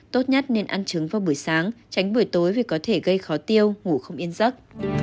tốt nhất nên ăn trứng vào buổi sáng tránh buổi tối vì có thể gây khó tiêu ngủ không yên giấc